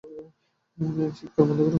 চিৎকার বন্ধ কর!